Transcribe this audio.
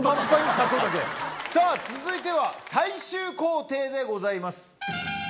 さぁ続いては最終工程でございます。